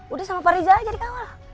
udah sama pak riza aja dikawal